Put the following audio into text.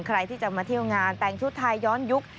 ใครที่จะมาเที่ยวงานแต่งชุดไทยย้อนยุค